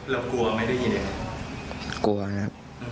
แล้วกลัวไม่ได้ยินอย่างนี้